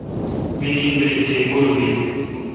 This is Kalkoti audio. می نین بایل تھ ایکور بیک